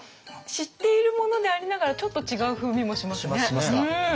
知っているものでありながらちょっと違う風味もしますね。